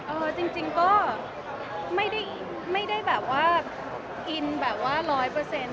เออจริงก็ไม่ได้แบบว่าอินแบบว่าร้อยเปอร์เซ็นต